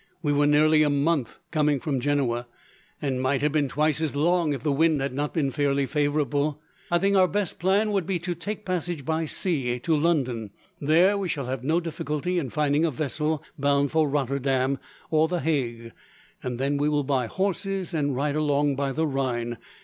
We were nearly a month coming from Genoa, and might have been twice as long, if the wind had not been fairly favourable. I think our best plan will be to take passage by sea to London. There we shall have no difficulty in finding a vessel bound for Rotterdam, or the Hague. Then we will buy horses, and ride along by the Rhine.